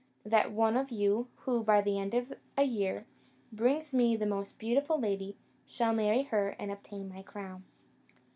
That one of you, who, by the end of a year, brings me the most beautiful lady, shall marry her and obtain my crown."